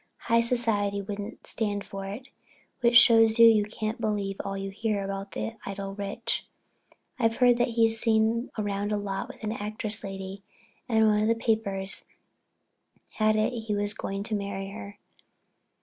High society wouldn't stand for it, which shows you can't believe all you hear about the idle rich. I've heard that he's seen round a lot with an actress lady and one of the papers had it he was going to marry her.